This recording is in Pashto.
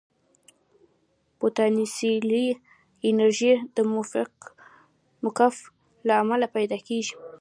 پوتانسیلي انرژي د موقف له امله پیدا کېږي.